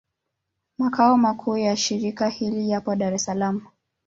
Makao makuu ya shirika hilo yapo Dar es Salaam.